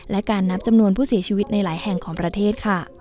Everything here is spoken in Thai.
และการนับจำนวนผู้เสียชีวิตในหลายแห่งของประเทศค่ะ